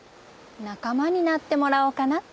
仲間になってもらおうかなって。